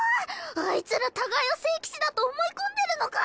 あいつら互いを聖騎士だと思い込んでるのか？